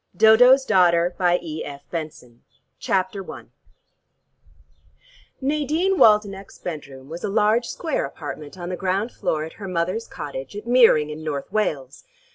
DODO'S DAUGHTER CHAPTER I Nadine Waldenech's bedroom was a large square apartment on the ground floor at her mother's cottage at Meering in North Wales.